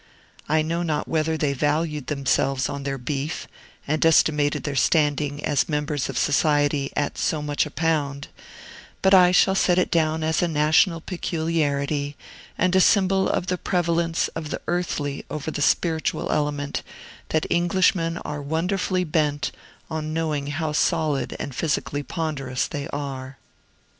I know not whether they valued themselves on their beef, and estimated their standing as members of society at so much a pound; but I shall set it down as a national peculiarity, and a symbol of the prevalence of the earthly over the spiritual element, that Englishmen are wonderfully bent on knowing how solid and physically ponderous they are.